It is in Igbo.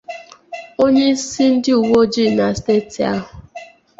Onyeisi ndị uwe ojii na steeti ahụ